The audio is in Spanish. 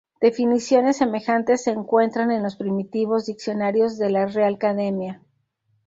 Definiciones semejantes se encuentran en los primitivos diccionarios de la Real Academia.